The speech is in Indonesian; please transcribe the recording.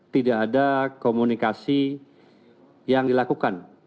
tidak ada komunikasi yang dilakukan